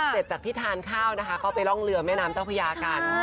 เสร็จจากที่ทานข้าวนะคะก็ไปร่องเรือแม่น้ำเจ้าพญากัน